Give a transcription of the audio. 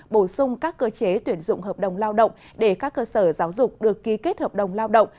bổ sung các cơ chế tuyển dụng hợp đồng lao động để các cơ sở giáo dục được ký kết hợp đồng lao động